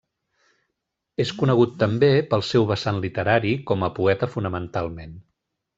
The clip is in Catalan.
És conegut també pel seu vessant literari, com a poeta fonamentalment.